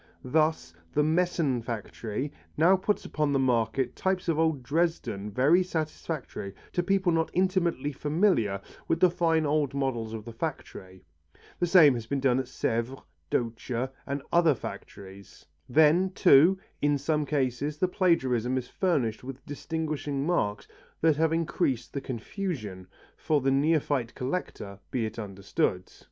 Thus the Meissen factory now puts upon the market types of old Dresden very satisfactory to people not intimately familiar with the fine old models of the factory. The same has been done at Sèvres, Doccia and other factories. Then, too, in some cases the plagiarism is furnished with distinguishing marks that have increased the confusion for the neophyte collector, be it understood.